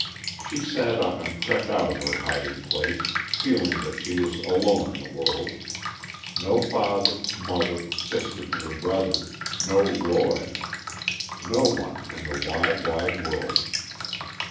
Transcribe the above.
She sat up and crept out of her hiding place, feeling that she was alone in the world. No father, mother, sisters, or brothers, no Roy, no one in the wide, wide world.